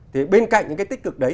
thì bên cạnh những cái tích cực đấy